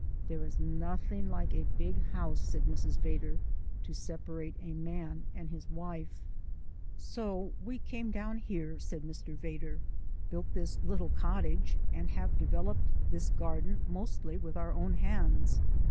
"There is nothing like a big house," said Mrs. Vedder, "to separate a man and his wife." "So we came down here," said Mr. Vedder, "built this little cottage, and developed this garden mostly with our own hands.